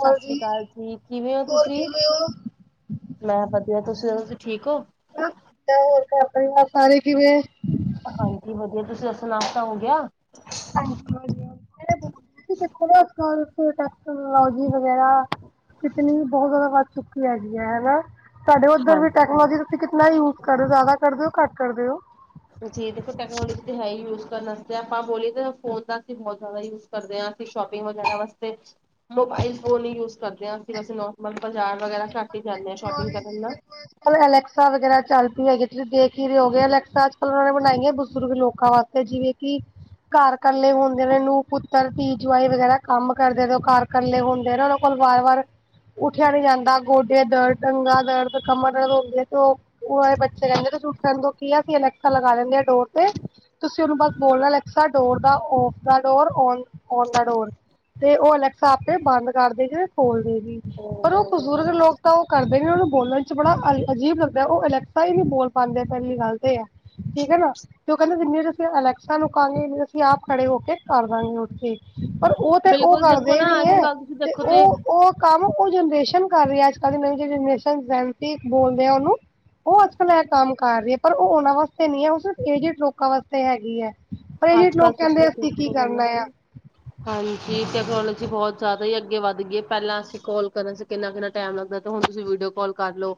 ਹੋਰ ਜੀ ਕਾਲ ਜੀ। ਕਿਵੇਂ ਓ ਹੋਰ ਤੁਸੀਂ? ਕਿਵੇਂ ਹੋ? ਮੈਂ ਵਧੀਆ‌। ਤੁਸੀਂ ਦੱਸੋ ਠੀਕ ਓ? ਤੇ ਹੋਰ ਘਰ-ਪਰਿਵਾਰ ਸਾਰੇ ਕਿਵੇਂ? ਹਾਂਜੀ ਵਧੀਆ। ਤੁਸੀਂ ਦੱਸੋ ਨਾਸਤਾ ਹੋ ਗਿਆ? ਹਾਂ ਜੀ ਵਧੀਆ। ਮੈਂ ਨਾ ਬੋਲ ਰਈ ਸੀ ਦੇਖੈ ਨਾ ਅੱਜ- ਕਲ ਟੋਲ ਟੈਕਸ ਟੈਕਨਾਲੋਜੀ ਵਗੈਰਾ - ਕਿਤਨੀ ਬਹੁਤ ਜ਼ਿਆਦਾ ਵੱਧ ਚੁੱਕੀ ਹੈਗੀ ਐਂ। ਬਸ ਹੁਣ ਤੁਹਾਡੇ ਉੱਧਰ ਵੀ ਹਾਂਜੀ। ਟੈਕਨੋਲੋਜੀ ਦਾ ਤੁਸੀਂ ਕਿਤਨਾ ਯੂਜ ਕਰ ਰਹੇ ਓ, ਜ਼ਿਆਦਾ ਕਰਦੇ ਹੋ ਘੱਟ ਕਰਦੇ ਓ। ਜੀ ਦੇਖੋ ਟੈਕਨੋਲੋਜੀ ਤੇ ਹੈ ਹੀ ਯੂਜ ਕਰਨ ਵਸਤੇ ਆਪਾਂ ਬੋਲੀਏ ਤਾਂ ਫੋਨ ਦਾ ਬਹੁਤ ਜ਼ਿਆਦਾ ਯੂ ਕਰਦੇ ਆ ਫਿਰ ਸ਼ੋਪਿਗ ਵਗੈਰਾ ਵਾਸਤੇ ਮੋਬਾਈਲ ਫੋਨ ਈ ਯੂਜ ਕਰਦੇ ਆ। ਅਸੀਂ ਬਸ ਨੌਰਮਲ ਬਾਜ਼ਾਰ ਵਗੈਰਾ ਘੱਟ ਹੀ ਜਾਂਨੇ ਆ ਸ਼ੋਪਿੰਗ ਕਰਨ ਏਨਾ ਕੱਲ ਅਲੈਕਸਾ ਵਗੈਰਾ ਚੱਲ ਪਈ ਹੈਗੀ ਤੁਸੀਂ ਦੇਖ ਹੀ ਰਹੇ ਹੋਗੇ ਅਲੈਕਸਾ ਅੱਜ-ਕੱਲ ਉਹਨਾਂ ਨੇ ਬਣਾਈਐ ਬਜ਼ੁਰਗ ਲੋਕਾਂ ਵਾਸਤੇ ਜਿਵੇਂ ਕਿ ਘਰ ਕੱਲ੍ਹੇ ਹੁੰਦੇ ਨੇ ਨੂੰਹ-ਪੁੱਤਰ, ਧੀ-ਜਵਾਈ ਵਗੈਰਾ ਕੰਮ ਕਰਦੇ ਨੇ, ਉਹ ਘਰ ਇਕੱਲੇ ਹੁੰਦੇ ਨੇ, ਉਹਨਾਂ ਕੋਲ ਵਾਰ-ਵਾਰ ਉੱਠਿਆ ਨੀ ਜਾਂਦਾ ਗੋਡੇ ਦਰਦ, ਟੰਗਾਂ ਦਰਦ, ਕਮਰ ਦਰਦ ਹੁੰਦੀ ਐ ਤੇ ਉਹ ਉਹ ਬੱਚੇ ਕਹਿੰਦੇ ਊੱਠਣ ਤੋਂ ਕੀ ਆ, ਅਸੀ ਅਲੈਕਸਾ ਲਗਾ ਲਿੰਦੇ ਆ ਡੋਰ ਤੇ। ਤੁਸੀਂ ਉਹਨੂੰ ਬਸ ਬੋਲਣਾ ਅਲੈਕਸਾ ਡੋਰ ਦਾ ਔਫ ਜਾਂ ਡੋਰ ਔਨ ਦਾ ਡੋਰ ਤੇ ਉਹ ਅਲੈਕਸਾ ਆਪੇ ਬੰਦ ਕਰ ਦੇਗੀ ਤੇ ਖੋਲ ਦੇਗੀ ਪਰ ਉਹ ਬਜ਼ੁਰਗ ਲੋਕ ਤਾਂ ਓ ਕਰਦੇ ਨੇ, ਉਹਨੂੰ ਬੋਲਣ ਚ ਬੜਾ ਅਜੀਬ ਲੱਗਦਾ ਐ, ਉਹ ਅਲੈਕਸਾ ਈ ਨੀ ਬੋਲ ਪਾਂਦੇ ਐ, ਪਹਿਲੀ ਗੱਲ ਤੇ ਏ ਐ। ਠੀਕ ਐ ਨਾ ਤੇ ਉਹ ਕਹਿੰਦੇ ਜਿੰਨੇ 'ਚ ਅਸੀਂ ਅਲੈਕਸਾ ਨੂੰ ਕਹਾਂਗੇ ਇੰਨੇ ਨੂੰ ਅਸੀਂ ਆਪ ਖੜੇ ਹੋ ਕੇ ਕਰ ਦਾਂਗੇ ਉੱਥੇ ਪਰ ਉਹ ਤੇ ਉਹ ਬਿਲਕੁਲ ਦੇਖੋ ਕਰਦੇ ਨਾ ਨਈ ਅੱਜ ਐ ਕੱਲ ਤੁਸੀਂ ਤੇ ਦੇਖੋ ਉਹ-ਉਹ ਕੰਮ ਉਹ ਜਨਰੇਸ਼ਨ ਕਰ ਰਹੀ ਐ, ਅੱਜ-ਕਲ ਦੀ ਨਵੀਂ ਜਨਰੇਸ਼ਨ ਜੈਂਜੀ ਬੋਲਦੇ ਆ ਉਹਨੂੰ ਉਹ ਅੱਜ-ਕਲ ਇਹ ਕੰਮ ਕਰ ਰਹੀ ਐ ਪਰ ਉਹ ਉਹਨਾਂ ਵਾਸਤੇ ਨਈ ਐ। ਉਹ ਸਿਰਫ ਏਜਟ ਲੋਕਾਂ ਵਾਸਤੇ ਹੈਗੀ ਐ। ਪਰ ਜੇ ਅੱਜ ਲੋਕ ਕੱਲ ਕਹਿੰਦੇ ਤੁਸੀਂ ਅਸੀਂ ਕੀ ਦੇਖੋਗੇ ਨਾ ਕਰਨਾ ਆ? ਕਿ ਹਾਂਜੀ। ਟੈਕਨੋਲੋਜੀ ਬਹੁਤ ਜ਼ਿਆਦਾ ਈ ਅੱਗੇ ਵੱਧ ਗਈ ਐਂ। ਪਹਿਲਾਂ ਅਸੀਂ ਕਾਲ ਕਰਨ ਚ ਕਿੰਨਾ-ਕਿੰਨਾ ਟਾਈਮ ਲੱਗਦਾ ਤੇ ਹੁਣ ਤੁਸੀਂ ਵੀਡੀਓ ਕਾਲ ਕਰ ਲੋ।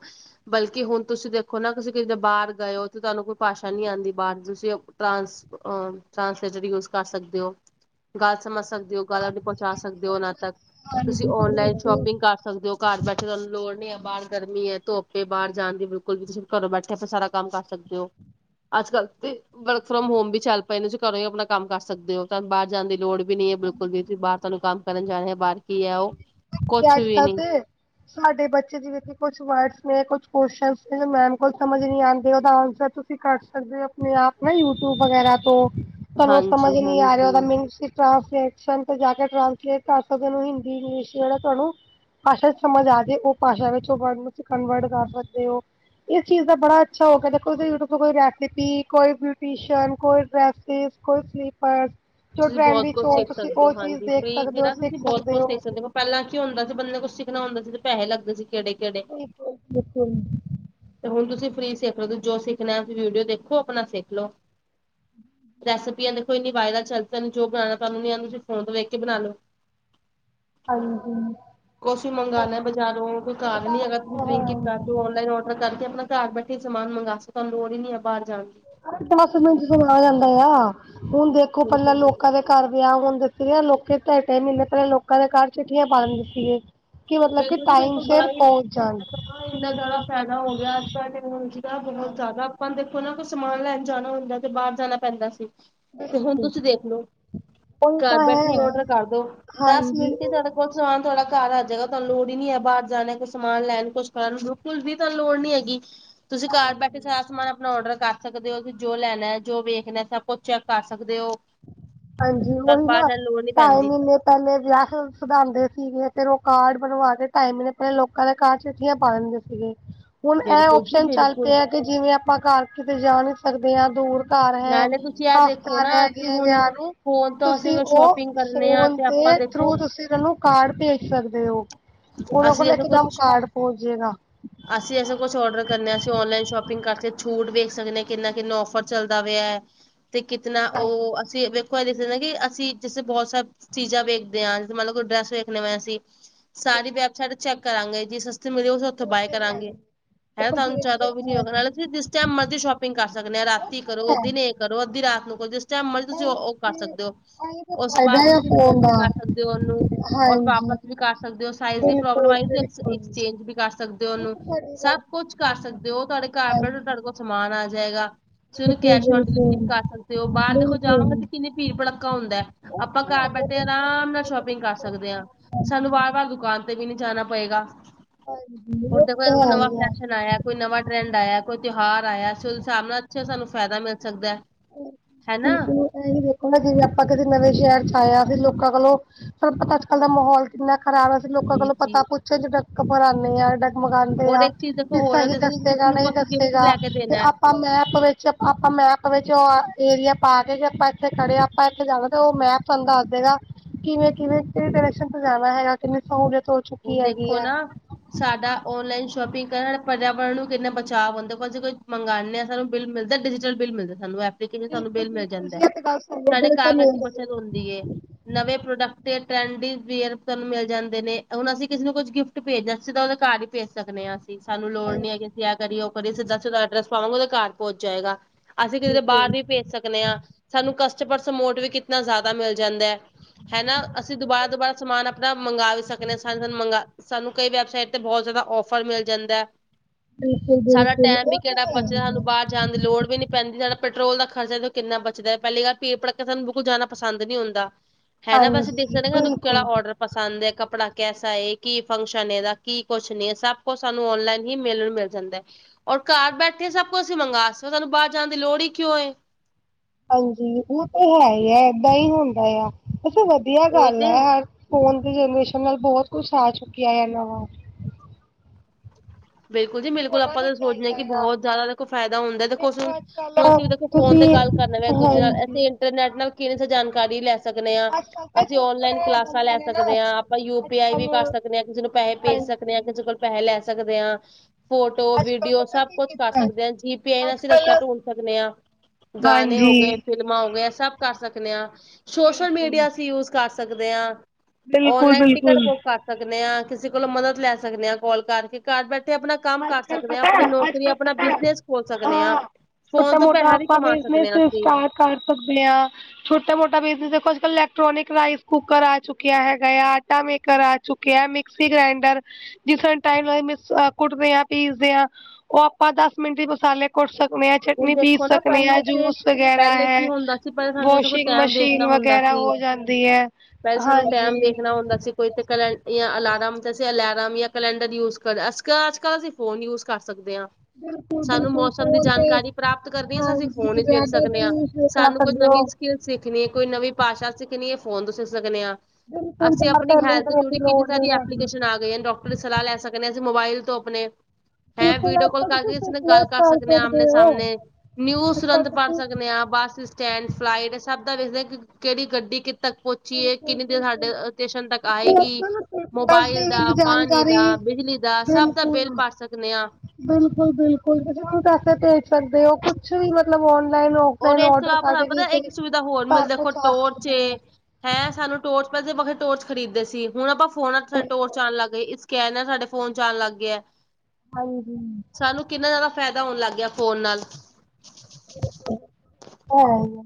ਬਲਕਿ ਹੁਣ ਤੁਸੀਂ ਦੇਖੋ ਨਾ ਤੁਸੀਂ ਕਿਸੇ ਬਾਹਰ ਗਏ ਓ ਤਾਂ ਤੁਹਾਨੂੰ ਕੋਈ ਭਾਸ਼ਾ ਨਹੀਂ ਆਦੀ, ਬਾਹਰ ਤੁਸੀਂ ਟਰਾਂਸ ਅ ਟ੍ਰਾਂਸਲੇਟਰ ਯੂਜ ਕਰ ਸਕਦੇ ਓ? ਗੱਲ ਸਮਝ ਸਕਦੇ ਓ। ਗੱਲ ਆਪਣੀ ਪਹੁੰਚਾ ਸਕਦੇ ਓ ਉਹਨਾਂ ਤੱਕ। ਤੁਸੀਂ ਹਾਂਜੀ ਓਨਲਾਈਨ ਹਾਂਜੀ ਸ਼ੋਪਿੰਗ ਕਰ ਸਕਦੇ ਓ। ਘਰ ਬੈਠੇ ਤੁਹਾਨੂੰ ਲੋੜ ਨੀ ਹੈ ਬਾਹਰ ਗਰਮੀ ਐ, ਧੁੱਪ ਏ, ਬਾਹਰ ਜਾਣ ਦੀ ਬਿਲਕੁਲ ਵੀ। ਤੁਸੀਂ ਘਰੋਂ ਬੈਠੇ ਆਪਾਂ ਸਾਰਾ ਕੰਮ ਕਰ ਸਕਦੇ ਓ, ਅੱਜ-ਕਲ ਤੇ ਵਰਕ ਫਰੋਮ ਹੋਮ ਵੀ ਚੱਲ ਆਪਾਂ ਇਹਨਾਂ ਚ ਘਰੋਂ ਹੀ ਆਪਣਾ ਕੰਮ ਕਰ ਸਕਦੇ ਓ। ਤੁਹਾਨੂੰ ਬਾਹਰ ਜਾਣ ਦੀ ਲੋੜ ਵੀ ਨੀ ਹੈ ਬਿਲਕੁਲ ਵੀ, ਬਾਹਰ ਤੁਹਾਨੂੰ ਕੰਮ ਕਰਨ ਜਾ ਰਹੇ ਆ ਬਾਹਰ ਕੀ ਹੈ ਉਹ [unintelligible] ਕਿ ਕੁਛ ਵੀ ਅੱਜ-ਕੱਲ੍ਹ ਨਹੀਂ ਤੇ ਸਾਡੇ ਬੱਚੇ ਜਿਵੇ ਕੁਛ ਵਰਡਸ ਨੇ, ਕੁਛ ਕੁਸ਼ਚਨਜ਼ ਨੇ, ਮੈਮ ਕੋਲ ਸਮਝ ਨੀ ਆਦੇ, ਉਹਦਾ ਆਂਸਰ ਤੁਸੀਂ ਤੁਸੀਂ ਕਰ ਸਕਦੇ ਓ ਆਪਣੇ ਆਪ ਨਾ, ਯੂਟਿਊਬ ਵਗੈਰਾ ਤੋਂ ਤੁਹਾਨੂੰ ਸਮਝ ਹਾਂਜੀ ਨੀ ਹਾਂਜੀ ਆ ਰਿਹਾ ਉਦਾ [unintelligible] ਟ੍ਰਾਂਸਲੇਸ਼ਟਰ ਤੇ ਜਾ ਕੇ ਟਰਾਂਸਲੇਟ ਕਰ ਸਕਦੇ ਓ, ਹਿੰਦੀ- ਇੰਗਲਿਸ਼ ਜਿਹੜਾ ਤੁਹਾਨੂੰ ਭਾਸ਼ਾ ਚ ਸਮਝ ਆ ਦੇ, ਉਹ ਭਾਸ਼ਾ ਵਿੱਚ ਉਹ ਵਰਡ ਨੂੰ ਤੁਸੀਂ ਕਨਵਰਟ ਕਰ ਸਕਦੇ ਓ। ਇਸ ਚੀਜ਼ ਦਾ ਬੜਾ ਅੱਛਾ ਹੋ ਗਿਆ ਦੇਖੋ ਯੂਟਿਊਬ ਕੋਈ ਰੈਸਿਪੀ, ਕੋਈ ਬਿਊਟੀਸਨ, ਕੋਈ ਵੇ ਵੇਸਕੋਸ ਸਲੀਪਰਸ ਜੋ ਤੁਸੀਂ ਟ੍ਰੈਂਡ ਬਹੁਤ ਵਿਚ ਕੁਛ ਹੋ, ਸਿੱਖ ਤੁਸੀਂ ਸਕਦੇ ਉਹ ਚੀਜ਼ ਦੇਖ ਸਕਦੇ ਓ, ਸਿੱਖ ਸਕਦੇ ਓ। ਦੇਖੋ ਪਹਿਲਾਂ ਕੀ ਹੁੰਦਾ ਸੀ ਬੰਦੇ ਕੁਝ ਸਿੱਖਣਾ ਹੁੰਦਾ ਸੀ ਤਾਂ ਪੈਸੇ ਲਗਦੇ ਸੀ ਕਿਡੇ-ਕਿਡੇ ਬਿਲਕੁਲ-ਬਿਲਕੁਲ। ਤੇ ਹੁਣ ਤੁਸੀਂ ਫਰੀ ਸਿੱਖ ਲਓ, ਜੋ ਸਿੱਖਣਾ, ਵੀਡੀਓ ਦੇਖੋ ਆਪਣਾ ਸਿੱਖ ਲਓ‌ ਰੈਸਪੀਆਂ ਦੇਖੋ ਇਨੀ ਵਾਇਰਲ ਚੱਲਦੀਆਂ, ਜੋ ਬਣਾਣ ਤੁਹਾਨੂੰ ਨਹੀ ਆਦਾ, ਤੁਸੀਂ ਫੋਨ ਤੋਂ ਵੇਖ ਬਣਾ ਲੋ। ਹਾਂਜੀ। ਕੁਛ ਮੰਗਣਾ ਬਾਜ਼ਾਰੋ ਕੋਈ ਮੈਂ ਘਰ ਤਾਂ ਨੀ ਹੈਗਾ ਆ ਤੁਸੀਂ ਬਲਿੰਕਿਟ ਹਾਂਜੀ ਕਰਕੇ ਔਨਲਾਈਨਡ ਔਰ ਔਡਰ ਕਰਕੇ ਆਪਣਾ ਘਰ ਬੈਠੇ ਸਮਾਨ ਮੰਗਾ ਸਕੋ ਤੁਹਾਨੂੰ ਲੋਰ ਨੀ ਹੈ ਬਾਹਰ ਜਾਣ ਦੀ। ਅਰੇ ਦਸ ਮਿੰਟ ਚ ਸਮਾਨ ਆ ਜਾਂਦਾ ਆ ਹੁਣ ਦੇਖੋ ਪੇਲਾਂ ਬਿਲਕੁਲ ਬਿਲਕੁਲ। ਲੋਕਾਂ ਦੇ ਘਰ ਵਿਆਹ ਹੁੰਦੇ ਸੀ ਨਾ ਲੋਕੀ ਟਾਈ-ਟਾਈ ਮੀਨੇ ਪੇਲੇ ਲੋਕਾਂ ਦੇ ਘਰ ਚਿੱਠੀਆਂ ਪਾ ਦਿੰਦੇ ਸੀਗੇ। ਕਿ ਮਤਲਬ ਕਿ ਟਾਈਮ ਸੇਰ ਪੋੰਚ ਜਾਣ। ਅੱਜ-ਕੱਲ ਇੰਨਾ ਜ਼ਾਦਾ ਫਾਇਦਾ ਹੋ ਗਿਆ ਅੱਜ ਕੱਲ੍ਹ ਟੇਕਨੋਲਜੀ ਦਾ ਬਹੁਤ ਜ਼ਾਦਾ ਹਾਂਜੀ ਹੁਣ ਦੇਖੋ ਨਾ ਕੇ ਸਮਾਨ ਲੈਣ ਜਾਣਾ ਹੁੰਦਾ ਤੇ ਬਾਹਰ ਜਾਣਾ ਪੈਂਦਾ ਸੀ। ਤੇ ਹੁਣ ਤੁਸੀਂ ਦੇਖਲੋ, ਉਹੀ ਘਰ ਤਾਂ ਹੈ ਬੈਠੇ ਔਡਰ ਕਰਦੋ ਦਸ ਹਾਂਜੀ ਮਿੰਟ ਚ ਹੀ ਤੁਆਡਾ ਓ ਸਮਾਨ ਤੁਆਡਾ ਘਰ ਆ ਜਾਏਗਾ। ਤਹਾਨੂੰ ਲੋੜ ਈ ਨੀ ਹੈ ਬਾਹਰ ਜਾਣਾ ਕੋਈ ਸਮਾਨ ਲੈਣ ਕੁਛ ਕਰਨ ਬਿਲਕੁਲ ਵੀ ਤੁਆਨੂੰ ਲੋੜ ਨੀ ਹੈਗੀ। ਤੁਸੀਂ ਘਰ ਬੈਠੇ ਹਾਂਜੀ ਸਾਰਾ ਸਮਾਨ ਆਪਣਾ ਔਡਰ ਕਰ ਸਕਦੇ ਹੋ ਜੋ ਲੈਣਾ ਜੋ ਵੇਖਣਾ ਸਭ ਕੁਛ ਚੈੱਕ ਕਰ ਸਕਦੇ ਓ। ਹਾਂਜੀ ਉਹੀ ਨਾ ਟਾਈ ਪੈਂਦੀ ਮੀਨੇ ਪੇਲੇ ਵਿਆਹ ਸ ਸਧਾਦੇ ਸੀਗੇ ਫਿਰ ਓ ਕਾਰਡ ਬਣਵਾ ਕੇ ਟਾਈਮ ਨੇ ਆਪਣੇ ਲੋਕਾਂ ਦੇ ਕਾਰਡ ਚਿੱਠੀਆਂ ਪਾ ਦਿੰਦੇ ਸੀ। ਸੀਗੇ, ਹੁਣ ਏ ਬਿਲਕੁਲ ਜੀ ਓਪਸ਼ਨ ਚੱਲ ਬਿਲਕੁਲ ਪਏ ਆ ਕਿ ਜਿਵੇਂ ਆਪਾਂ ਘਰ ਕਿਤੇ ਜਾ ਨੀ ਸਕਦੇ ਆ ਦੂਰ ਘਰ ਹੈ, ਨਾਲੇ ਤੁਸੀਂ ਇਹ ਦੇਖੋ ਹਫ਼ਤਾ ਨਾ ਰੈ ਅਸੀਂ ਗਿਆ ਹੁਣ ਵਿਆਹ ਨੂੰ ਫੋਨ ਤੋਂ ਅਸੀਂ ਤੁਸੀਂ ਅਗਰ ਓ ਸ਼ੋਪਿੰਗ ਕਰਨੇ ਆ ਫੋਨ ਤੇ ਆਪਾਂ ਦੇ ਦੇਖੋ ਥਰੂ ਤੁਸੀਂ ਓੰਨੂ ਕਾਰਡ ਭੇਜ ਸਕਦੇ ਓ, ਓਨਾਂ ਅਸੀਂ ਕੋਲ ਜੈਸੇ ਇੱਕਦਮ ਕੁਛ ਕਾਰਡ ਪੋਚ ਜੇਗਾ। ਅਸੀਂ ਐਸਾ ਕੁਛ ਔਡਰ ਕਰਨਾ ਅਸੀਂ ਔਨਲਾਈਨ ਸ਼ਾਪਿੰਗ ਕਰਕੇ ਛੂਟ ਵੇਖ ਸਕਦੇ ਕਿੰਨਾ- ਕਿੰਨਾ ਔਫਰ ਚੱਲਦਾ ਪੇਆ ਐ ਤੇ ਕਿਤਨਾ ਓ ਹਾਂਜੀ ਅਸੀਂ ਮਤਲਬ ਇਸ ਤਰਾ ਕੀ ਅਸੀਂ ਜਿਸ ਬੋਤ ਸਾਭ ਚੀਜ਼ਾਂ ਵੇਖਦੇ ਹਾਂ ਜ ਮਤਲਬ ਡਰੈਸ ਵੇਖਣੇ ਪਏ ਅਸੀਂ ਸਾਰੀ ਬਿਲਕੁਲ ਵੈਬਸਾਈਟ ਚੈੱਕ ਕਰਾਂਗੇ ਜੇ ਸਸਤੀ ਮਿਲੀ ਉੱਥੇ ਉਹ ਬਾਏ ਤੇ ਹੈ ਹੀ ਕਰਾਂਗੇ। ਹੈ ਦੇਖੋ ਤੁਆਨੂੰ ਜਿਵੇਂ ਜ਼ਾਦਾ ਕਿ ਉਹ ਵੀ ਨੀ ਹੋਗਾ ਹਾਂਜੀ ਨਾਲੇ ਤੁਸੀਂ ਜਿਸ ਟਾਈਮ ਮਰਜ਼ੀ ਸ਼ੋਪਿੰਗ ਕਰ ਸਕਦੇ ਹਾਂ ਉਹ ਰਾਤੀ ਤਾਂ ਕਰੋ ਹੈ ਦਿਨੇ ਕਰੋ ਅੱਧੀ ਰਾਤ ਨੂੰ ਕਰੋ ਜਿਸ ਟਾਈਮ ਮਰਜ਼ੀ ਤੁਸੀਂ ਇਹੀ ਉਹ ਕਰ ਤੇ ਸਕਦੇ ਓ ਇਹੀ ਤਾਂ ਓਸ ਤੋਂ ਫਾਇਦਾ ਬਾਅਦ ਆ ਤੁਸੀਂ ਫੋਨ ਰਿਟਰਨ ਦਾ ਵੀ ਕਰ ਸਕਦੇ ਓ ਉਹਨੂੰ ਔਰ ਹਾਂਜੀ ਵਾਪਸ ਵੀ ਕਰ ਸਕ ਸਕਦੇ ਹੋ ਸਾਈਜ਼ ਦੀ ਪ੍ਰੋਬਲਮ ਬਿਲਕੁਲ ਐਕਸ ਬਿਲਕੁਲ -ਐਕਸਚੇਂਜ ਵੀ ਕਰ ਸਕਦੇ ਓ ਉਹ ਓਨੂੰ ਤਾਂ ਤੁਹਾਡੀ ਸਭ ਗੱਲ ਸਹੀ ਕੁਛ ਕਰ ਸਕਦੇ ਹੋ ਹੈਗੀ ਹੈ ਤੁਹਾਡੇ ਘਰ ਬੈਠ ਹਾਂਜੀ ਤੁਹਾਡੇ ਕੋਲ ਸਮਾਨ ਆ ਜਾਏਗਾ। ਤੁਸੀ ਉਹਨੂੰ ਬਿਲਕੁਲ ਕੈਸ਼ ਆੱਨ ਡਿਲੀਵਰੀ ਵੀ ਬਿਲਕੁਲ ਕਰ ਸਕਦੇ ਓ ਬਾਹਰ ਦੇਖੋ ਜਾਵਾਂਗੇ ਬਿਲਕੁਲ ਤੇ ਕਿੰਨੀ ਭੀੜ ਭੜੱਕਾ ਹੁੰਦਾ। ਉਹ ਆਪਾਂ ਤਾਂ ਘਰ ਹੈਗਾ ਬੈਠੇ ਦੇਖੋ ਉਹ ਆਰਾਮ ਨਾਲ ਸ਼ੋਪ ਤਾਂ ਪਿੰਗ ਕਰ ਸਕਦੇ ਬੜਾ ਆ ਹੋ ਜਾਂਦਾ ਸਾਨੂੰ ਹੈ ਵਾਰ ਵਾਰ ਬਿਲਕੁਲ ਦੁਕਾਨ ਤੇ ਵੀ ਨੀ ਜਾਣਾ ਪਏਗਾ। ਹਾਂਜੀ ਹੋਰ ਉਹ ਦੇਖੋ ਏਦਾ ਤਾਂ ਨਵਾਂ ਹੈਗਾ ਫੈਸ਼ਨ ਆਇਆ। ਕੋਈ ਨਵਾਂ ਟਰੈਂਡ ਆਇਆ ਕੋਈ ਤਿਉਹਾਰ ਆਇਆ ਉਸ ਹਿਸਾਬ ਨਾਲ ਅੱਛਾ ਸਾਨੂੰ ਫੈਦਾ ਮਿਲ ਸਕਦਾ। ਹੈ ਨਾ? ਏਵੀ ਦੇਖੋ ਨਾ ਜਿਵੇਂ ਆਪਾਂ ਕਦੀ ਨਵੇਂ ਸ਼ੈਰ ਚ ਆਏ ਆ ਫਿਰ ਲੋਕਾਂ ਕੋਲੋਂ ਸਭ ਪਤਾ ਚਲਦਾ ਮਾਹੌਲ ਕਿੰਨਾ ਖਰਾਬ ਅਸੀ ਲੋਕਾਂ ਜੀ ਕੋਲੋਂ ਜੀ ਪਤਾ ਪੁੱਛਣ ਚ ਡ ਘਬਰਾਣੇ ਆ ਡਰ ਮੰਗਾਦੇ ਹੋਰ ਆ ਇੱਕ ਚੀਜ਼ ਦੇਖੋ ਵੀ ਹੋਰ ਸਹੀ ਤੁਸੀਂ ਕਿਸੇ ਦੱਸੇਗਾ ਨੂੰ ਨਹੀਂ ਕੁਛ ਗਿਫਟ ਦੱਸੇਗਾ ਲੈ ਕੇ ਤੇ ਦੇਣਾ। ਆਪਾਂ ਮੈਪ ਵਿੱਚ ਚ ਆਪਾਂ ਮੈਪ ਵਿੱਚੋ ਏਰੀਆ ਪਾ ਕੇ ਜੇ ਆਪਾ ਇੱਥੇ ਖੜ੍ਹੇ ਆ ਪਾ ਇੱਥੇ ਜਾਣਾ ਤੇ ਓ ਮੈਪ ਤਾਨੂੰ ਦੱਸ ਦੇਗਾ। ਕਿਵੇਂ- ਕਿਵੇਂ ਕੇੜੀ ਡਰੈਕਸ਼ਨ ਤੋਂ ਜਾਣਾ ਹੈਗਾ ਕਿੰਨੀ ਸਹੂਲਤ ਹੋਓ ਹੁਣ ਦੇਖੋ ਨਾ ਸਾਡਾ ਔਨਲਾਈਨ ਸ਼ੋਪਿੰਗ ਕਰਨ ਪਰਿਆਵਰਨ ਨੂੰ ਕਿੰਨਾ ਬਚਾਵ ਆਉਂਦਾ ਅਸੀਂ ਕੋਈ ਮੰਗਾਨੇ ਆ ਸਾਨੂੰ ਬਿੱਲ ਮਿਲਦਾ ਡਿਜੀਟਲ ਬਿੱਲ ਮਿਲਦਾ ਸਾਨੂੰ ਐਪਲੀਕੇਸ਼ਨ ਸਾਨੂੰ ਬਿਲਕੁਲ ਬਿੱਲ ਮਿਲ ਬਿਲਕੁਲ ਜੀ ਜਾਂਦਾ, ਇਹ ਤੇ ਗੱਲ ਸਹੀ ਹੈ ਸਾਡੇ ਬਿਲਕੁਲ ਕਾਗਜ਼ ਦੀ ਮਿਲਦਾ ਬੱਚਤ ਹੁੰਦੀ ਏ ਨਵੇਂ ਪ੍ਰੋਡੈਕਟ ਜਾਂ ਟਰੈਂਡਜ ਦੀ ਹੈਲਪ ਤੁਹਾਨੂੰ ਮਿਲ ਜਾਂਦੇ ਨੇ। ਹੁਣ ਅਸੀਂ ਕਿਸੇ ਨੂੰ ਕੁੱਝ ਗਿਫਟ ਭੇਜਦੇ ਆ ਅਸੀਂ ਤਾਂ ਉਹਦੇ ਘਰ ਹੀ ਭੇਜ ਸਕਨੇ ਹਾਂ ਅਸੀਂ ਸਾਨੂੰ ਲੋੜ ਨੀ ਹਾਂਜੀ ਹੈਗੀ ਕਿਆ ਕਰੀਏ ਓ ਕਰੀਏ ਸਿੱਧਾ-ਸਿੱਧਾ ਅਡਰੈਸ ਪਾਵਾਂਗੇ ਓਦੇ ਘਰ ਪੋਂਚ ਜਾਏਗਾ ਅਸੀ ਕਿਤੇ ਬਿਲਕੁਲ ਬਾਰ ਵੀ ਭੇਜ ਸਕਨੇ ਆ ਸਾਨੂੰ ਕਸਟਪਰਸ ਮੋਟ ਵੀ ਕਿਤਨਾ ਜਾਦਾ ਮਿਲ ਜਾਂਦੈ। ਹੈਨਾ ਅਸੀਂ ਦੁਬਾਰਾ-ਦੁਬਾਰਾ ਸਮਾਨ ਆਪਣਾ ਮੰਗਾਂ ਵੀ ਸਕ ਨੇ ਸਾਨੂੰ-ਸਾਨੂੰ ਕਈ ਵੈਬਸਾਈਟ ਤੇ ਬੋਹ ਜਾਦਾ ਔਫਰ ਮਿਲ ਜਾਂਦੈ। ਬਿਲਕੁਲ ਸਾਡਾ ਬਿਲਕੁਲ ਟੈਮ ਵੀ ਉਹ ਕੇੜਾ ਤਾਂ ਹੈ ਬਚਿਆ ਸਾਨੂੰ ਬਾਰ ਜਾਣ ਦੀ ਲੋੜ ਵੀ ਨੀ ਪੈਂਦੀ ਸਾਡਾ ਪੈਟਰੋਲ ਦਾ ਖਰਚਾ ਦੇਖਲੋ ਕਿੰਨਾ ਬਚਦੈ ਪੈਲੀ ਗੱਲ ਭੀੜ ਭੜਕੇ ਸਾਨੂੰ ਬਿਲਕੁਲ ਜਾਣਾ ਪਸੰਦ ਨੂੰ ਹੁੰਦਾ ਹੈ ਨਾ ਵੈਸੇ ਦੇਖ ਹਾਂਜੀ ਸਕਦੇ ਤੁਹਾਨੂੰ ਕੇੜਾ ਬਿਲਕੁਲ ਔਰਡਰ ਪਸੰਦ ਐ ਕੱਪੜਾ ਕੈਸਾ ਏ, ਕੀ ਫੰਕਸ਼ਨ ਏਦਾ, ਕੀ ਕੁਛ ਨੀ ਸਭ ਕੁਛ ਸਾਨੂੰ ਔਨਲਾਈਨ ਹੀ ਮਿਲਣ ਮਿਲ ਜਾਂਦੈ। ਔਰ ਘਰ ਬੈਠੇ ਸਭ ਕੁਛ ਐਸੀ ਮੰਗਾਂ ਸਕ ਸਾਨੂੰ ਬਾਰ ਜਾਣ ਦੀ ਲੋੜ ਈ ਕਿਉਂ ਏ। ਹਾਂਜੀ ਓ ਤਾਂ ਹੈ ਈ ਐ ਏਦਾਂ ਈ ਹੁੰਦਾ ਆ ਵੈਸੇ ਵਧੀਆ ਉਹੀ ਗੱਲ ਤੇ ਐ ਫੋਨ ਦੀ ਜਨਰੇਸ਼ਨ ਨਾਲ ਬੋਤ ਕੁਛ ਆ ਚੁੱਕਿਆ ਆ ਨਵਾ। ਬਿਲਕੁਲ ਜੀ ਬਿਲਕੁਲ ਹੋਣਾ ਆਪਾਂ ਵੀ ਤਾਂ ਸੋਚਦੇ ਆ ਕੀ ਚਾਹੀਦਾ ਬੋਹਤ ਜਾਦਾ ਦੇਖੋ ਫਾਇਦਾ ਹੁੰਦਾ ਦੇਖੋ ਅਸੀਂ ਅੱਜ ਕੱਲ ਹੁਣ ਅਸੀ ਵੀ ਦੇਖੋ ਫੋਨ ਤੁਸੀਂ ਤੇ ਗੱਲ ਕਰ ਲੈਣੇ ਆ ਇੱਕ ਦੂਜੇ ਨਾਲ ਹਾਂਜੀ ਅਸੀਂ ਇੰਟਰਨੈਟ ਨਾਲ ਕਿੰਝ ਜਾਣਕਾਰੀ ਲੈ ਸਕਨੇ ਆ। ਅੱਜ ਕੱਲ ਤਾਂ ਅਸੀਂ ਛੋਟੇ ਓਨਲਾਈਨ ਛੋਟੇ ਕਲਾਸਾਂ ਬੰਦਿਆਂ ਲੈ ਨੇ ਨਾ ਸਕਦੇ ਆ, ਆਪਾਂ ਯੂ ਅੱਜ ਪੀ ਆਈ ਵੀ ਕੱਲ ਕਰ ਸਕਦੇ ਆ, ਕਿਸੇ ਨੂੰ ਪੈਸੇ ਭੇਜ ਸਕ ਸਕਦੇ ਆ ਹਾਂਜੀ ਕਿਸੇ ਕੋਲ ਪੈਸੇ ਲੈ ਸਕਦੇ ਆ ਫੋਟੋ, ਅੱਜ ਕੱਲ ਵੀਡੀਓ ਪਤਾ ਸਬ ਕੀ ਕੁਛ ਕਰ ਕੀਤਾ ਹੈ? ਸਕਦੇ ਆ, ਜੀ ਪੀ ਆਈ ਨਾਲ ਅੱਜ ਅਸੀਂ ਕੱਲ ਰਸਤਾ ਢੂੰਢ ਸਕਦੇ ਆ। ਗਾਣੇ ਹੋਗੇ ਹਾਂਜੀ ਫਿਰ ਜਮਾ ਹੋ ਗਿਆ ਸਭ ਕਰ ਸਕਨੇ ਆ, ਸੋਸ਼ਲ ਬਿਲਕੁਲ ਮੀਡੀਆ ਅਸੀਂ ਯੂਜ ਕਰ ਸਕਦੇ ਆ ਬਿਲਕੁਲ ਓਨਲਾਈਨ ਟਿਕਟ ਬਿਲਕੁਲ ਬੁੱਕ ਕਰ ਸਕਨੇ ਆ, ਕਿਸੇ ਕੋਲੋ ਮਦਦ ਲੈ ਸਕਦੇ ਆ ਕੋਲ ਕਰਕੇ ਘਰ ਬੈ ਤੇ ਆਪਣਾ ਕੰਮ ਅੱਜ ਕਰ ਕੱਲ ਸਕਦੇ ਆ, ਪਤਾ ਆਪਣੇ ਹੈ, ਅੱਜ ਨੌਕਰੀ, ਕੱਲ ਅਪਣਾ ਪਤਾ ਹੈ ਬਿਜਨਸ ਖੋਲ ਸਕਨੇ ਆ। ਹਾਂ ਛੋਟਾ ਮੋਟਾ ਆਪਾਂ ਵੀ ਬਿਜਨਸ ਸਟਾਰਟ ਕਰ ਸਕਦੇ ਆ। ਛੋਟਾ-ਮੋਟਾ ਬਿਜਨਸ ਦੇਖੋ ਅੱਜ-ਕੱਲ ਇਲੈਕਟ੍ਰੋਨਿਕ ਰਾਈਸ ਕੁੂਕਰ ਆ ਚੁੱਕਿਆ ਹੈਗਾ ਆ ਆਟਾ ਮੇਕਰ ਆ ਸੁੱਕਿਆ ਮਿਕਸੀ ਗ੍ਰੈਂਡਰ ਜਿਸ [unintelligible] ਕੁੱਟਦੇ ਆ, ਪੀਸਦੇ ਆ ਓ ਆਪਾਂ ਦਸ ਮਿੰਟ [unintelligible] ਮਸਾਲੇ ਕੁਟ ਸਕਨੇ ਆ, ਹੁਣ ਚਟਨੀ ਪੀਸ ਦੇਖੋ ਨਾ ਸਕਨੇ ਪਹਿਲੇ ਆ, ਜੈਸੇ ਜੂਸ ਵਗੈਰਾ ਪਹਿਲੇ ਕੀ ਹੈ ਹੁੰਦਾ ਸੀ ਪਹਿਲੇ ਸਾਨੂੰ ਜੈਸੇ ਕੋਈ ਵੋਸ਼ਿੰਗ ਟਾਈਮ ਮਸ਼ੀਨ ਵੇਖਣਾ ਹੁੰਦਾ ਵਗੈਰਾ ਸੀ ਹੋ ਜਾਂਦੀ ਐ ਪਹਿਲੇ ਸਾਨੂੰ ਟਾਈਮ ਹਾਂਜੀ। ਵੇਖਣਾ ਹੁੰਦਾ ਸੀ ਕੋਈ ਤੇ [unintelligible] ਯਾਂ ਅਲਾਰਮ ਜਸੀੇ ਅਲਾਰਮ ਯਾਂ ਕੈਲੈਂਡਰ ਯੂਜ ਕਰਦੇ ਅ ਅੱਜ-ਕੱਲ ਅਸੀਂ [unintelligible] ਫੋਨ ਯੂਜ ਕਰ ਸਕਦੇ ਆ ਬਿਲਕੁਲ ਸਾਨੂੰ ਬਿਲਕੁਲ ਮੌਸਮ ਦੀ ਫੋਨ ਜਾਣ ਤੇ ਕਾਰੀ ਪ੍ਰਾਪਤ ਕਰਨੀ ਆ ਅਸੀਂ ਫੋਨ ਹਾਂਜੀ ਵਿੱਚ ਵੇਖ ਵੈਦਰ ਸਕਨੇ ਆ, ਵੀ ਕਰ ਸਾਨੂੰ ਕੁੱਝ ਸਕਦੇ ਨਵੀਂ ਹੋ ਸ ਸਕਿਲ ਸਿੱਖਣੀ ਆ, ਕੋਈ ਨਵੀ ਭਾਸ਼ਾ ਸਿੱਖਣੀਏ ਫੋਨ ਤੋਂ ਸਿੱਖ ਸਕਨੇ ਆ। ਬਿਲਕੁਲ ਅਸੀਂ ਬਾਹਰ ਆਪਣੀ ਪੇਮੈਂਟ ਹੈਲਥ ਦੇਣ ਜੁੜੀ ਦੀ ਕਿੰਨੀ ਲੋੜ ਨਹੀਂ ਸਾਰੀ ਹੈਗੀ ਐਪਲੀਕੇਸ਼ਨ ਆ ਗਈ ਐ ਡੋ ਆਪਣੀ ਸਲਾਹ ਲੈ ਸਕਨੇ ਆ ਅਸੀਂ ਮੋਬਾਇਲ ਤੋਂ ਆਪਣੇ ਹੈਂ ਬਿਲਕੁਲ ਵੀਡੀਓ ਅੱਜ ਕੋਲ ਕੱਲ੍ਹ ਤੁਸੀਂ [unintelligible] ਗੱਲ ਫਿਟਨੈਸ ਕਰ ਸਕਨੇ ਆ ਸਕਦੇ ਆਮਨੇ ਹੋ ਸਾਮਣੇ ਨਿਊ ਅੱਜ ਕੱਲ੍ਹ ਸੁਰੰਦ ਪੜ੍ਹ ਤੁਸੀਂ ਸਕਦੇ ਆ [unintelligible] ਸਟੈਂਡ ਫਲਾਈਟ ਸਭ ਦਾ ਵੇਖਦੇ ਕੀ ਕੇੜੀ ਗੱਡੀ ਕਿੱਥੇ ਤੱਕ ਪੋਚੀ ਏ ਬਿਲਕੁਲ ਕਿੰਨੀ ਦੇਰ ਬਿਲਕੁਲ ਸਾਡੇ ਸਟੇਸ਼ਨ ਤੱਕ ਤੁਸੀਂ ਅੱਜ ਆਏਗੀ ਕੱਲ੍ਹ ਫਿਟਨੈਸ ਮੋਬਾਇਲ ਦੀ ਦਾ, ਵੀ ਪਾਣੀ ਜਾਣਕਾਰੀ ਦਾ, ਬਿਜਲੀ ਦਾ ਸਭ ਦਾ ਬਿੱਲ ਭਰ ਸਕਨੇ ਆ। ਬਿਲਕੁੱਲ-ਬਿਲਕੁੱਲ ਤੁਸੀ ਹੁਣ ਪੈਸੇ ਭੇਜ ਸਕਦੇ ਓ ਕੁਛ ਵੀ ਮਤਲਬ ਓ ਹੋ ਔਰ ਇਸ ਤੋਂ ਇਲਾਵਾ ਆਪਣਾ ਪਤਾ ਇੱਕ ਸੁਵਿਧਾ ਹੋਰ ਮਿਲਦੀ ਦੇਖੋ ਪਹੁੰਚਾ ਟੋਰਚ ਸਕਦੇ ਏ ਹੋ ਹੈਂ ਸਾਨੂੰ ਟੋਰਚ ਪੈਲੇ ਬ ਟੋਰਚ ਖਰੀਦਦੇ ਸੀ ਹੁਣ ਆਪਾਂ ਫੋਨ ਟੋਰਚ ਬਿਲਕੁਲ ਆਣ ਲੱਗ ਗਈ ਕੈ ਐ ਨਾ ਸਾਡੇ ਫੋਨ ਚ ਆਣ ਲੱਗ ਗਿਐ। ਹਾਂਜੀ। ਸਾਨੂੰ ਕਿੰਨਾ ਜਾਦਾ ਫੈਦਾ ਹੋਣ ਲੱਗ ਗਿਆ ਫੋਨ ਨਾਲ। [unintelligible]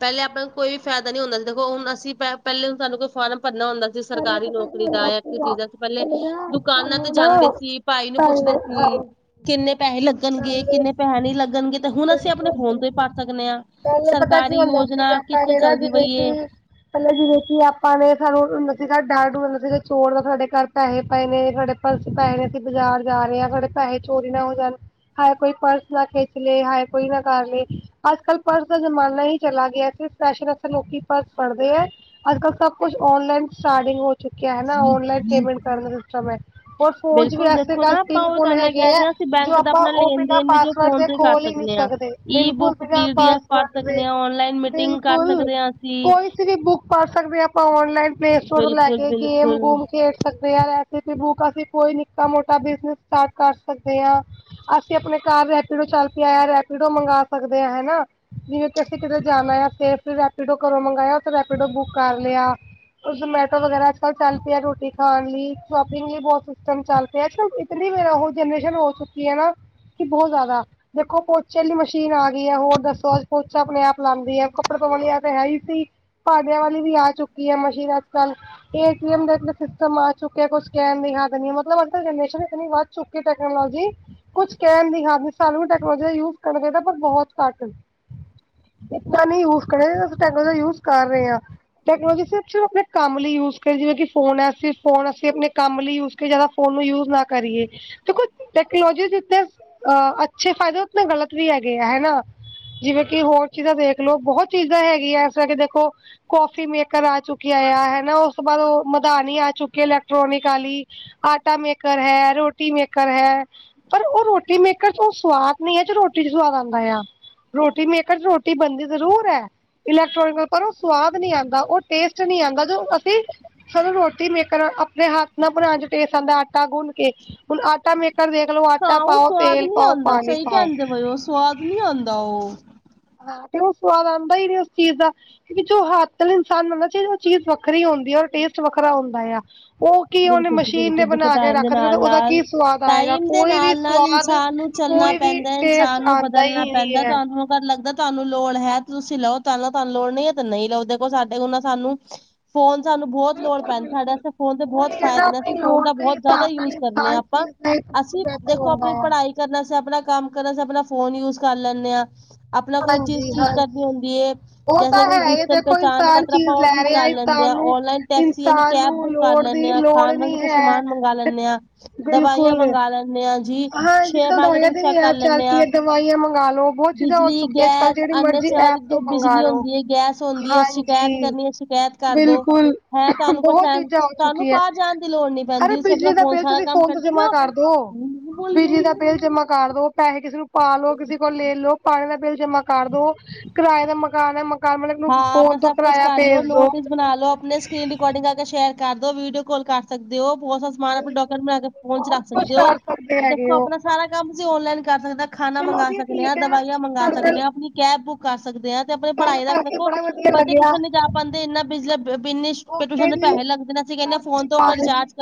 ਪੈਲੇ ਆਪ ਨੂੰ ਕੋਈ ਵੀ ਫੈਦਾ ਨੀ ਹੁੰਦਾ ਸੀ ਦੇਖੋ ਹੁਣ ਅਸੀਂ ਪ ਪੈਲੇ ਸਾਨੂੰ ਕੋਈ ਫਾਰਮ ਭਰਨਾ ਹੁੰਦਾ ਜੇ ਪਹਿਲੇ ਸਰਕਾਰੀ ਪਤਾ ਕੀ ਨੌਕਰੀ ਦਾ ਹੁੰਦਾ ਯਾਂ ਸੀਗਾ ਚੀਜ਼ ਦਾ ਪੈਲੇ ਪਹਿਲੇ ਨਾ ਦੁਕਾਨਾਂ ਤੇ ਸਾਨੂੰ ਨਾ ਜਾਂਦੇ ਸੀ ਭਾਈ ਨੂੰ ਪੁੱਛਦੇ ਪਹਿਲੇ ਸੀ ਹਾਂਜੀ ਕਿੰਨੇ ਪੈਸੇ ਲੱਗਣਗੇ ਪਹਿਲੇ ਕਿੰਨੇ ਪੈਸੇ ਨਈ ਲੱਗਣਗੇ ਤੇ ਹੁਣ ਅਸੀਂ ਆਪਣੇ ਫ਼ੋਨ ਤੇ ਹੀ ਪਰ ਸਕਨੇ ਆ। ਪੈਲੇ ਪਤੈ ਕੀ ਹੁੰਦਾ ਸੀ ਵੈ ਪੈਲੇ ਨਾ ਜਿਵੇਂ ਪਈ ਹੈ ਕਿ ਪੈਲੇ ਜਿਵੇਂ ਕਿ ਆਪਾਂ ਨੇ ਸਾਨੂੰ ਨ ਸੀਗਾ ਡਰ-ਡੂਰ ਹੁੰਦਾ ਸੀਗਾ ਚੋਰ ਦਾ, ਸਾਡੇ ਘਰ ਪੈਹੇ ਪਏ ਨੇ, ਸਾਡੇ ਪਰਸ ਚ ਪੈਹੇ ਨੇ, ਅਸੀਂ ਬਾਜ਼ਾਰ ਜਾ ਰੇ ਆਂ, ਸਾਡੇ ਪੈਹੇ ਚੋਰੀ ਨਾ ਹੋ ਜਾਣ। ਹਾਏ ਕੋਈ ਪਰਸ ਨਾ ਖੇੱਚ ਲਏ, ਹਾਏ ਕੋਈ ਨਾ ਕਰ ਲਏ‌। ਅੱਜ-ਕੱਲ੍ਹ ਪਰਸ ਦਾ ਜ਼ਮਾਨਾ ਹੀ ਚਲਾ ਗਿਐ। ਸਿਰਫ ਫੈਸ਼ਨ ਅਸਤੇ ਲੋਕੀ ਪਰਸ ਫੜਦੇ ਐ। ਅੱਜ-ਕੱਲ ਸਭ ਕੁਛ ਔਨਲਾਈਨ ਸਟਾਰਟਿੰਗ ਹੋ ਚੁੱਕਿਆ ਹੈ ਨਾ। ਔਨਲਾਈਨ ਪੇਮੈਂਟ ਕਰਨ ਦਾ ਸਿਸਟਮ ਐ। ਹੋਰ ਫੋਨ ਇਚ ਵੀ ਬਿਲਕੁਲ ਐਸੇ ਦੇਖੋ ਤਾਂ ਨਾ ਆਪਾਂ ਪਿੰਨ ਉਹ ਪੁੰਨ ਤੁਹਾਨੂੰ ਮੈਂ ਹੈਗੇ ਕਹਿ ਐ, ਰਹੀ ਹਾਂ ਅਸੀਂ ਜੋ ਬੈਂਕ ਦਾ ਆਪਾਂ ਆਪਣਾ ਓਹ ਲੈਣ ਬਿਨਾਂ ਦੇਣ ਵਿੱਚ ਪਾਸ ਵਰਗ ਫੋਨ ਦੇ ਤੋਂ ਹੀ ਕਰ ਖੋਲ ਈ ਨੀ ਹਾਂ ਸਕਦੇ। ਈ ਬਿਲਕੁਲ, ਬੁੱਕ ਬਿਨ੍ਹਾਂ ਪੀ ਡੀ ਐਫ ਪੜ੍ਹ ਪਾਸਵਰਡ ਦੇ ਸਕਦੇ ਹਾਂ ਔਨਲਾਈਨ ਮੀਟਿੰਗ ਕਰ ਬਿਲਕੁਲ। ਸਕਦੇ ਹਾਂ ਅਸੀਂ ਕੋਈ ਸੀ ਵੀ ਬੁੱਕ ਪੜ ਸਕਦੇ ਆ ਆਪਾਂ ਓਨਲਾਈਨ, ਪਲੇ ਸਟੋਰ ਤੋ ਲੈ ਬਿਲਕੁਲ ਕੇ, ਬਿਲਕੁਲ ਗੇਮ-ਗੂਮ ਖੇਡ ਸਕਦੇ ਆ। ਰੈਸਪੀ ਬੁੱਕ, ਅਸੀਂ ਕੋਈ ਨਿੱਕਾ-ਮੋਟਾ ਬਿਜਨਸ ਸਟਾਟ ਕਰ ਸਕਦੇ ਆ। ਅਸੀਂ ਆਪਣੇ ਕਾਰ ਰੈਪੀਡੋ ਚੱਲ ਪਿਆ ਐ ਰੈਪੀਡੋ ਮੰਗਾ ਸਕਦੇ ਆ ਹੈਨਾ। ਜਿਵੇਂ ਕਿ ਅਸੀਂ ਕਿਦਰੇ ਜਾਣਾ ਐ, ਸੇਫਲੀ ਰੈਪੀਡੋ ਘਰੋਂ ਮੰਗਾਇਆ, ਓਥੇ ਰੈਪੀਡੋ ਬੁੱਕ ਕਰ ਲਿਆ। ਔਰ ਜਮੇਟੋ ਵਗੈਰਾ ਅੱਜ-ਕੱਲ ਚੱਲ ਪਿਐ, ਰੋਟੀ ਖਾਣ ਲਈ। ਸ਼ੋਪਿੰਗ ਲਈ ਬੌਤ ਸਿਸਟਮ ਚੱਲ ਪਿਐ। ਅੱਜ-ਕਲ ਇ ਦੀਗਰ ਆਹੋ ਜਨਰੇਸ਼ਨ ਹੋ ਚੁੱਕੀ ਏ ਨਾ ਕਿ ਬੌਤ ਜੈਦਾ ਦੇਖੋ ਪੋਚੇ ਆਲੀ ਮਸ਼ੀਨ ਆ ਗੀ ਐ, ਹੋਰ ਦੱਸੋ ਅੱਜ ਪੋਚਾ ਆਪਣੇ ਆਪ ਲਾਂਦੀ ਐ। ਕੱਪੜੇ ਧੋਣ ਵਾਲੀ ਐ ਤੇ ਹੈ ਈ ਸੀ। ਭਾਡੇੰਆਂ ਵਾਲੀ ਵੀ ਆ ਚੁੱਕੀ ਐ ਮਸ਼ੀਨ ਅੱਜ-ਕੱਲ। ਏ ਟੀ ਐਮ ਦਾ ਇਤਨਾ ਸਿਸਟਮ ਆ ਚੁੱਕਿਐ ਕੋਛ ਕੈਣ ਦੀ ਹੱਦ ਨੀ। ਮਤਲਬ ਅੱਜ-ਕੱਲ੍ਹ ਜਨਰੇਸ਼ਨ ਇਤਨੀ ਵੱਧ ਚੁਕੀ ਟੈਕਨਾਲੋਜੀ ਕੁਛ ਕੈਣ ਦੀ ਹਦ ਨੀ, ਸਾਨੂੰ ਵੀ ਟੈਕਨੋਲੋਜੀ ਦਾ ਯੂਜ ਕਰਨਾ ਚਾਈਦੈ ਪਰ ਬੌਤ ਘੱਟ। ਇਤਨਾ ਨੀ ਯੂਸ ਕਰਨਾ ਚਾਈਦਾ, ਅਸੀਂ ਟੈਕਨੋਲੋਜੀ ਯੂਸ ਕਰ ਰੇ ਆਂ, ਟੈਕਨੋਲੋਜੀ ਸਿਰਫ ਸਿ ਅਪਣੇ ਕੰਮ ਲਈ ਯੂਸ ਕਰੀਏ, ਜਿਵੇਂ ਕਿ ਫੋਨ ਐ ਅਸੀਂ ਫੋਨ ਅਸੀਂ ਅਪਣੇ ਕੰਮ ਲਈ ਯੂਸ ਕਰੀਏ। ਜੈਦਾ ਫੋਨ ਨੂੰ ਯੂਸ ਨਾ ਕਰੀਏ। ਦੇਖੋ ਟੈਕਨੋਲੋਜੀ ਜਿੱਤਣੇ ਅ ਅੱਛੇ ਫਾਇਦੇ ਉਤਨੇ ਗ਼ਲਤ ਵੀ ਹੈਗੇ ਐ ਹੈਨਾ। ਜਿਵੇਂ ਕਿ ਹੋਰ ਚੀਜ਼ਾਂ ਦੇਖਲੋ, ਬਹੋਤ ਚੀਜ਼ਾਂ ਹੈਗੀਆਂ ਐਸ ਤਰ੍ਹਾਂ ਕਿ ਦੇਖੋ ਕੌਫੀ ਮੇਕਰ ਆ ਚੁੱਕੇ ਇਆ ਆ ਹਨਾ ਓਸ ਤੋਂ ਬਾਦ ਓਹ ਮਦਾਨੀ ਆ ਚੁੱਕੀ ਐ ਇਲੈਕਟ੍ਰੋਨਿਕ ਆਲੀ। ਆਟਾ ਮੇਕਰ ਹੈ, ਰੋਟੀ ਮੇਕਰ ਹੈ। ਪਰ ਓਹ ਰੋਟੀ ਮੇਕਰ ਚ ਓਹ ਸਵਾਦ ਨੀ ਐ ਜੋ ਰੋਟੀ ਚ ਸਵਾਦ ਆੰਦਾ ਆ। ਰੋਟੀ ਮੇਕਰ ਚ ਰੋਟੀ ਬਣਦੀ ਜ਼ਰੂਰ ਐ, ਇਲੈਕਟ੍ਰੋਨਿਕ ਪਰ ਓਹ ਸਵਾਦ ਨੀ ਆਂਦਾ। ਓਹ ਟੇਸਟ ਟ ਨੀ ਆੰਦਾ ਜੋ ਅਸੀ ਸਾਨੂੰ ਰੋਟੀ ਮੇਕਰ ਅਪਣੇ ਹੱਥ ਨਾਲ ਬਣਾਣ ਚ ਟੇਸਟ ਆੰਦੈ ਆਟਾ ਗੁੰਨ ਕੇ। ਹੁਣ ਆਟਾ ਮੇਕ ਕਰ ਦੇਖ ਲੋ ਆਟਾ ਹਾਂ ਉਹ ਪਾਓ, ਸਵਾਦ ਤੇਲ ਨੀ ਪਾਓ, ਆਉਂਦਾ ਪਾਣੀ ਸਹੀ ਪਾਓ। ਕਹਿੰਦੇ ਪਏ ਉਹ ਸਵਾਦ ਨੀ ਆਦਾ ਓ। ਹਾਂ ਤੇ ਓਹ ਸਵਾਦ ਆਦਾ ਈ ਨੀ ਉਸ ਚੀਜ਼ ਦਾ। ਕਿਉਕਿ ਜੋ ਹੱਤ ਨਾਲ ਇਨਸਾਨ ਮੰਗਣਾ ਚਾਈਦੈ ਓਹ ਚੀਜ਼ ਵੱਖਰੀ ਔੰਦੀ ਆ ਓਰ ਟੇਸਟ ਵੱਖਰਾ ਔੰਦਾ ਆ। ਓਹ ਬਿਲਕੁਲ ਜੀ ਬਿਲਕੁਲ, ਦੇਖੋ ਟਾਈਮ ਦੇ ਨਾਲ-ਨਾਲ ਕੀ ਸਵਾਦ ਆਏਗਾ ਟਾਈਮ ਦੇ ਕੋਈ ਵੀ ਨਾਲ-ਨਾਲ ਸਵਾਦ ਇਨਸਾਨ ਨੂੰ ਚੱਲਣਾ ਕੋਈ ਵੀ ਪੈਂਦੈ, ਟੇਸਟ ਇਨਸਾਨ ਨੂੰ ਆਉਂਦਾ ਬਦਲਣਾ ਹੀ ਨਹੀਂ ਪੈਂਦੈ। ਹੈ ਤੁਆਨੂੰ ਪਰ ਲੱਗਦੈ ਤੁਆਨੂੰ ਲੋੜ ਹੈ ਤੁਸੀਂ ਲਓ, ਤੁਆਨੂੰ ਲੋ ਤੁਆਨੂੰ ਲੋੜ ਨਹੀਂ ਐ ਤੇ ਨਹੀਂ ਲਓ। ਦੇਖੋ ਸਾਡੇ ਕੋ ਨਾ ਸਾਨੂੰ ਫੋਨ ਸਾਨੂੰ ਬੌਤ ਲੋੜ ਪੈਂਦ ਸਾਡੇ ਅਸਤੇ ਫੋਨ ਤੇ ਬੌਤ ਉਹੀ ਹੈ ਨਾ ਫਾਇਦੇ ਨੇ, ਅਸੀਂ ਆਪਣੀ ਫੋਨ ਲੋੜ ਦਾ ਦੇ ਬਹੌਤ ਜੈਦਾ ਹਿਸਾਬ ਨਾਲ ਯੂਸ ਕਰਨੇ ਆਂ ਇਨਸਾਨ ਅਪਾਂ, ਚੀਜ਼ ਦਾ ਇੱਕ ਅਸੀਂ ਬਿਹਤਰ ਦੇਖੋ ਹੁੰਦਾ ਅਪਣੀ ਆ ਪੜ੍ਹਾਈ ਕਰਨ ਅਸਤੇ, ਅਪਣਾ ਕੰਮ ਕਰਨਾ ਅਸਤੇ, ਅਪਣਾ ਫੋਨ ਯੂਸ ਕਰ ਲੈਂਣੇ ਆਂ। ਅਪਣਾ ਕੋਈ ਚੀਜ਼ ਹਾਂਜੀ ਠੀਕ ਕਰਨੀ ਹਾਂਜੀ ਹੁੰਦੀ ਏ ਉਹ ਤਾਂ ਜੈਸੇ ਕੋਈ ਹੈ ਇਹ ਡਿਜੀਟਲ ਦੇਖੋ ਪਹਿਚਾਣ ਇਨਸਾਨ ਪੱਤਰ ਅਪਾਂ ਚੀਜ਼ ਓਹ ਲੈ ਠੀਕ ਰਿਹਾ ਲੈਂਦੇ ਇਨਸਾਨ ਆਂ। ਨੂੰ ਔਰ ਲਨ ਟੈਸੀ ਯਾਨੀ ਇਨਸਾਨ ਕੈਬ ਨੂੰ ਬੁੱਕ ਕਰ ਲੋੜ ਲੈਣੇ ਦੀ ਆ। ਲੋੜ ਖਾਣ ਵਸਤੇ ਨਹੀਂ ਕੁੱਛ ਹੈ ਸਮਾਨ ਮੰਗਾ ਲੈਣੇ ਆਂ, ਦਵਾਈਆਂ ਬਿਲਕੁਲ ਮੰਗਾ ਲੈਂਣੇ ਆਂ, ਜੀ। ਹਾਂ ਅੱਜ ਸੌ਼ਅਰ ਕੱਲ੍ਹ ਦਵਾਈਆਂ ਮਾਰਕੀਟਿੰਗ ਦੀ ਵੀ ਚੈਕ ਕਰ ਐਪ ਚੱਲ ਲੈਂਣੇ ਪਈ ਆਂ। ਹੈ ਦਵਾਈਆਂ ਮੰਗਾ ਲਓ ਬਹੁਤ ਚੀਜ਼ਾਂ ਹੋ ਬਿਜਲੀ ਚੁੱਕੀਆਂ ਅੱਜ ਕੱਲ੍ਹ ਗੈਸ ਜਿਹੜੀ ਅਨਯ ਮਰਜ਼ੀ ਸਰ ਐਪ ਤੋਂ ਜੋ ਮੰਗਾ ਬਿਜਲੀ ਲਓ ਹੁੰਦੀ ਏ, ਗੈਸ ਹੁੰਦੀ ਏ, ਸ਼ਿਕੈਤ ਹਾਂਜੀ ਕਰਨੀ ਏ ਸ਼ਿਕੈਤ ਕਰ ਦੋ। ਬਿਲਕੁਲ ਹੈ ਤਾਨੂੰ ਬਹੁਤ ਪਸੰਦ, ਚੀਜ਼ਾਂ ਹੋ ਤਾਨੂੰ ਚੁੱਕੀ ਹੈ ਬਾਰ ਰ ਜਾਣ ਦੀ ਲੋੜ ਨੀ ਅਰੇ ਪੈਂਦੀ ਤੁਸੀਂ ਅਪਣਾ ਬਿਜਲੀ ਦਾ ਫੋਨ ਬਿੱਲ ਤੇ ਸਾਰਾ ਤੁਸੀਂ ਕੰਮ ਫੋਨ ਕਰ ਤੋਂ ਦੇੰਣੇ ਜਮਾ ਓ। ਕਰ ਦੋ ਬਿਜਲੀ ਦਾ ਬਿੱਲ ਜਮਾ ਕਰ ਦੋ, ਪੈਸੇ ਕਿਸੇ ਨੂੰ ਪਾ ਲੋ ਕਿਸੇ ਕੋਲ ਲੈ ਲਓ ਪਾਣੀ ਦਾ ਬਿੱਲ ਜਮਾ ਕਰ ਦੋ, ਕਿਰਾਏ ਦਾ ਮਕਾਨ ਹੈ ਮਕਾਨ ਕੰਮ ਆਲੇ ਨੂੰ ਫੋਨ ਤੋਂ ਕਰਾਇਆ ਭੇਜ ਦੋ ਹੈਲੋ ਆਪਣੇ ਰਿਕਾਰਡਿੰਗ ਕਰਕੇ ਸ਼ੇਅਰ ਕਰ ਦੋ ਵੀਡੀਓ ਕਾਲ ਕਰ ਸਕਦੇ ਹੋ ਪੋਸਟ ਆਪਣਾ ਬਿਲਕੁਲ ਡਾਕੂਮੈਂਟ ਬਣਾ ਕੇ ਬਿਲਕੁਲ ਫੋਨ ਚ ਬਹੁਤ ਰੱਖ ਕੁਛ ਸਕਦੇ ਹੋ, ਕਰ ਸਕਦੇ ਹੈਗੇ ਦੇਖੋ ਹੋ ਆਪਣਾ ਸਾਰਾ ਕੰਮ ਤੁਸੀਂ ਔਨਲਾਈਨ ਕਰ ਸਕਦੇ ਖਾਣਾ ਚਲੋ ਮੰਗਵਾ ਜੀ ਸਕਦੇ ਹਾਂ ਠੀਕ ਹੈ ਦਵਾਈਆਂ ਮੰਗਵਾ ਤੁਹਾਡੇ ਸਕਦੇ ਨਾਲ ਹਾਂ ਆਪਣੀ ਕੈਬ ਬੁੱਕ ਕਰ ਸਕਦੇ ਹਾਂ ਤੇ ਆਪਣੀ ਗੱਲ ਪੜ੍ਹਾਈ ਦਾ ਕਰਕੇ ਦੇਖੋ ਬੜਾ ਵਧੀਆ ਬੱਚੇ ਲੱਗਿਆ ਟਿਊਸ਼ਨ ਨ ਜਾ ਪਾਉਂਦੇ ਇੰਨਾ ਬਿਜਲਾੰਨੇ ਟਿਊਸ਼ਨ ਓਕੇ ਦੇ ਜੀ ਪੈਸੇ ਲੱਗਦੇ ਅਸੀਂ ਕਹਿੰਦੇ ਸਤਿ ਸ੍ਰੀ ਫੋਨ ਤੋਂ ਆਪਾਂ ਅਕਾਲ ਜੀ ਰਿਚਾਰਜ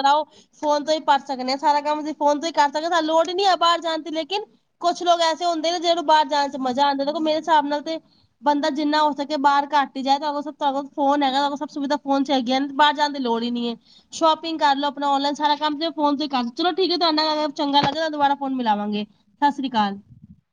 ਫੋਨ ਤੋਂ ਹੀ ਪੜ ਸਕਦੇ ਹਾਂ, ਸਾਰਾ ਕੰਮ ਅਸੀਂ ਫੋਨ ਤੋਂ ਹੀ ਕਰ ਸਕਦੇ ਹਾਂ ਸਾਨੂੰ ਲੋੜ ਹੀ ਨਹੀਂ ਆ ਬਾਹਰ ਜਾਣ ਦੀ ਲੇਕਿਨ ਕੁਛ ਲੋਕ ਐਸੇ ਹੁੰਦੇ ਨੇ ਜਿਹਨੂੰ ਜਾਣ ਚ ਮਜ਼ਾ ਆਉਂਦਾ ਮੇਰੇ ਹਿਸਾਬ ਨਾਲ ਤੇ, ਬੰਦਾ ਜਿੰਨਾ ਹੋ ਸਕੇ ਬਾਹਰ ਘੱਟ ਹੀ ਜਾਏ ਤਾਂ ਫੋਨ ਹੈਗਾ ਸਭ ਸੁਵਿਧਾ ਫੋਨ ਚ ਹੈਗੀਆਂ ਬਾਹਰ ਜਾਣ ਦੀ ਲੋੜ ਹੀ ਨਹੀ ਏ ਸ਼ੋਪਿੰਗ ਕਰ ਲੋ ਆਪਣਾ ਔਨਲਾਈਨ ਸਾਰਾ ਕੰਮ ਫੋਨ ਤੇ ਕਰ ਚਲੋ ਠੀਕ ਤੁਹਾਡੇ ਨਾਲ ਗਲ ਕਰਕੇ ਚੰਗਾ ਲੱਗਦਾ ਦੁਬਾਰਾ ਫੋਨ ਮਿਲਾਵਾਂਗੀ ਸਤਿ ਸ੍ਰੀ ਅਕਾਲ